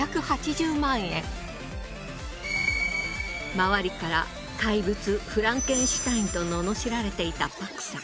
周りから怪物フランケンシュタインと罵られていたパクさん。